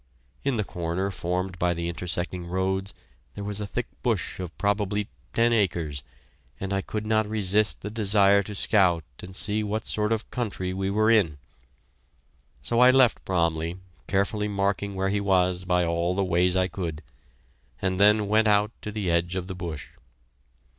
In the corner formed by the intersecting roads there was a thick bush of probably ten acres, and I could not resist the desire to scout and see what sort of country we were in. So I left Bromley, carefully marking where he was by all the ways I could, and then went out to the edge of the bush.